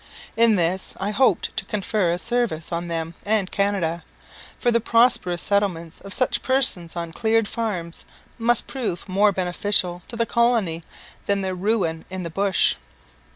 In this I hoped to confer a service both on them and Canada; for the prosperous settlement of such persons on cleared farms must prove more beneficial to the colony than their ruin in the bush.